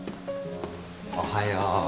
おはよう。